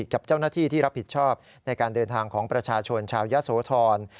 กับเจ้าหน้าที่ที่รับผิดชอบในการเดินทางของประชาชนชาวยะโสธร